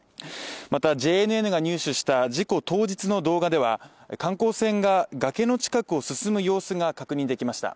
またＪＮＮが入手した事故当日の動画では観光船が崖の近くを進む様子が確認できました。